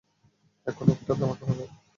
এখন একটা ধামাকা হবে।